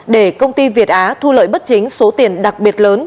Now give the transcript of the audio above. để công ty việt á thu lợi bất chính số tiền đặc biệt lớn